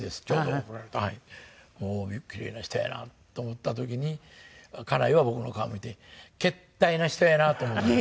キレイな人やなって思った時に家内は僕の顔を見てけったいな人やなと思ったそうです。